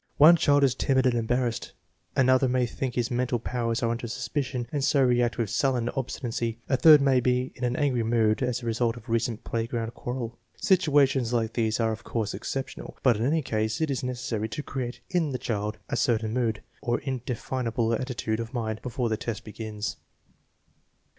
One child is timid and embarrassed; another may think his mental powers are under suspicion and so react with sullen obstinacy; a third may be in an angry mood as a result of a recent playground quarrel. Situations like these are, of course, exceptional, but in any case it is necessary 126 THE MEASUREMENT OF INTELLIGENCE to create in the child a certain mood, or indefinable atti tude of mind, before the test begins.